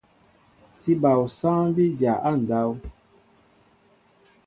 Sí bal osááŋ bí dya á ndáw.